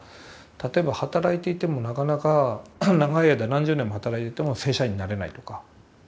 例えば働いていてもなかなか長い間何十年も働いてても正社員になれないとか。